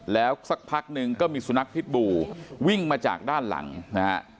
แล้วสักพักหนึ่งก็มีสุนัขพิษบูวิ่งมาจากด้านหลังนะฮะ